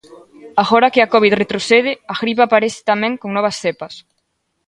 Agora que a covid retrocede, a gripe aparece tamén con novas cepas.